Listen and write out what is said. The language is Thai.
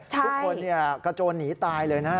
ทุกคนกระโจนหนีตายเลยนะฮะ